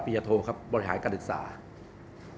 บริหารสูตรระดับประหยัตโธครับบริหารกฎศาสตร์